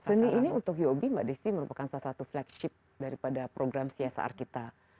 seni ini untuk yobi mbak desy merupakan salah satu flagship daripada program csr kita